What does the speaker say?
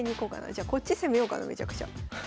じゃこっち攻めようかなめちゃくちゃ。